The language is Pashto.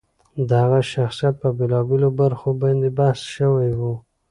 د هغه د شخصیت په بېلا بېلو برخو باندې بحث شوی و.